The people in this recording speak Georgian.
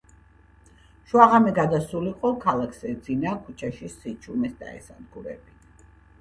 შუაღამე გადასულიყო. ქალაქს ეძინა. ქუჩაში სიჩუმეს დაესადგურებინა.